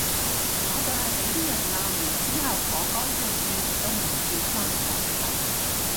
我就係畀啲人鬧完之後，我乾脆轉都唔轉返簡體